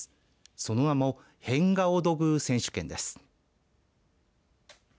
その名も変顔土偶選手権です。